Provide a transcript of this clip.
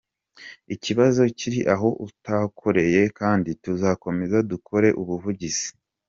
Ikibazo kiri aho utakoreye kandi tuzakomeza dukore ubuvugizi.